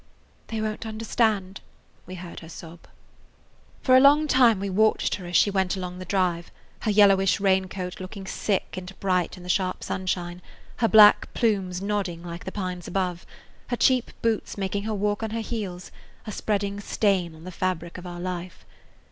"They won't understand!" we heard her sob. For a long time we watched her as she went along the drive, her yellowish raincoat looking sick and bright in the sharp sunshine, her black plumes nodding like [Page 31] the pines above, her cheap boots making her walk on her heels, a spreading stain on the fabric of our life.